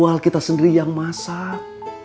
jual kita sendiri yang masak